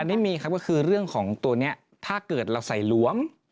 อันนี้มีครับก็คือเรื่องของตัวนี้ถ้าเกิดเราใส่หลวม